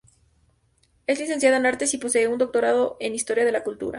Es licenciada en Artes y posee un doctorado en historia de la cultura.